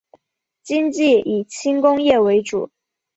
经济以轻工业为主。